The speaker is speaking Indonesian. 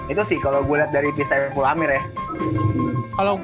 itu sih kalo gue liat dari perisai seriapul amir ya